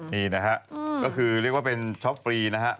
นี่นะฮะก็คือเรียกว่าเป็นช็อปฟรีนะฮะ